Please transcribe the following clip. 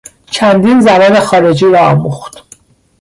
چندین زبان خارجی را آموخت.